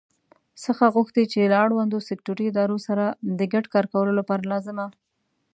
څخه غوښتي چې له اړوندو سکټوري ادارو سره د ګډ کار کولو لپاره لازمه